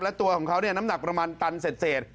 และตัวของเขาน้ำหนักประมาณตันเศษ